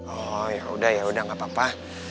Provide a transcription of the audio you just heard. oh yaudah yaudah gak apa apa